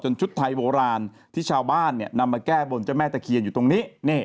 ชุดไทยโบราณที่ชาวบ้านนำมาแก้บนเจ้าแม่ตะเคียนอยู่ตรงนี้